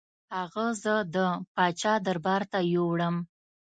هغه زه د پاچا دربار ته یووړم.